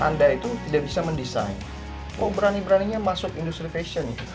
anda itu tidak bisa mendesain oh berani beraninya masuk industri fashion